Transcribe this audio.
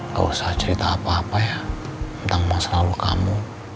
gak usah cerita apa apa ya tentang masa lalu kamu